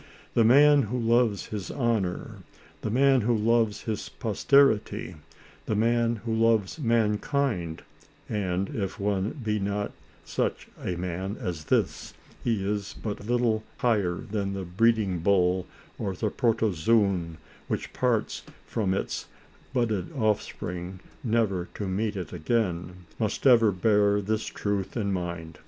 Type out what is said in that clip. The man who loves his honor, the man who loves his posterity, the man who loves mankind (and, if one be not such a man as this, he is but little higher than the breed ing bull or the protozoon, which parts from its ALICE ; OR, THE WAGES OF SIN. 119 budded offspring never to meet it again) must ever bear this truth in mind.